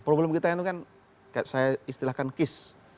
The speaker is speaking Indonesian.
problem kita itu kan saya istilahkan kis